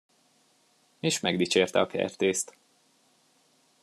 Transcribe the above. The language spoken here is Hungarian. És megdicsérte a kertészt.